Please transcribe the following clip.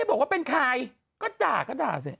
บอกว่าเป็นใครก็ด่าก็ด่าสิ